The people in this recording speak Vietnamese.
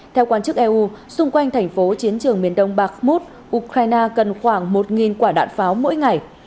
theo quan chức eu xung quanh thành phố chiến trường miền đông bakmut ukraine cần khoảng một quả đạn pháo mỗi ngày